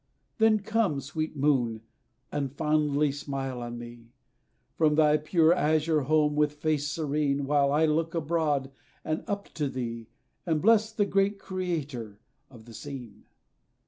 Then come, sweet Moon, and fondly smile on me, From thy pure azure home, with face serene, While I will look abroad, and up to thee, And bless the great Creator of the scene.